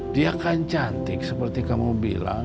dia akan cantik seperti kamu bilang